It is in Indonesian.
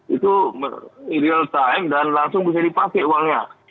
itu real time dan langsung bisa dipakai uangnya